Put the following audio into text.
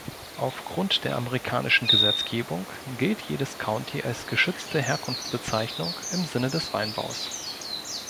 Aufgrund der amerikanischen Gesetzgebung gilt jedes County als geschützte Herkunftsbezeichnung im Sinne des Weinbaus.